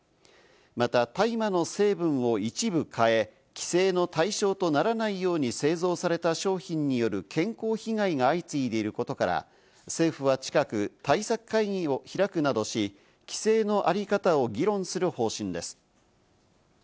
また大麻の成分を一部変え、規制の対象とならないように製造された商品による健康被害が相次いでいることから、政府は近く対策会議を開くなどし、規制の在り方を議論する方針です。